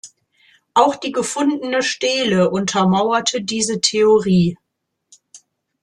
Auch die gefundene Stele untermauerte diese Theorie.